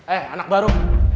eh anak baru